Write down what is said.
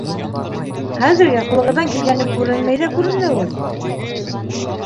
— Хәҙергә ҡулығыҙҙан килгәне күренмәй ҙә күренеүен.